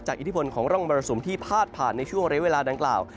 อิทธิพลของร่องมรสุมที่พาดผ่านในช่วงเรียกเวลาดังกล่าว